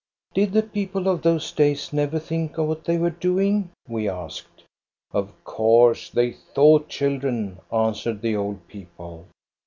" Did the people of those days never think of what they were doing? " we asked. "Of course they thought, children," answered the old people.